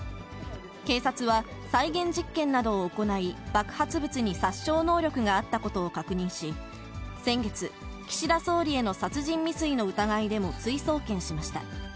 警察は、再現実験などを行い、爆発物に殺傷能力があったことを確認し、先月、岸田総理への殺人未遂の疑いでも追送検しました。